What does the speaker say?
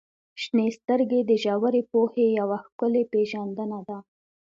• شنې سترګې د ژورې پوهې یوه ښکلې پیژندنه ده.